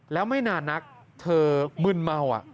แล้วไม่นานนักเธอมึนเมา